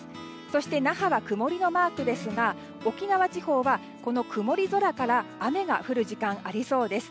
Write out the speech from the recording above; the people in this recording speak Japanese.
そして那覇は曇りのマークですが沖縄地方は曇り空から雨が降る時間がありそうです。